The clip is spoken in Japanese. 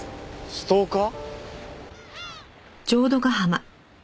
ストーカー？